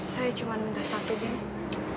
saya cuma minta satu deh